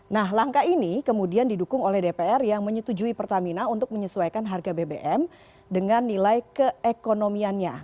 nah langkah ini kemudian didukung oleh dpr yang menyetujui pertamina untuk menyesuaikan harga bbm dengan nilai keekonomiannya